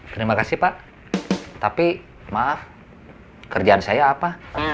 terima kasih pak tapi maaf kerjaan saya apa